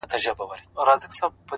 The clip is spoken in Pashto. گوره را گوره وه شپوږمۍ ته گوره!!